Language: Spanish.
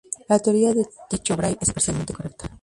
La teoría de Tycho Brahe es parcialmente correcta.